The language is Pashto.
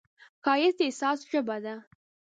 ښایست د احساس ژبه ده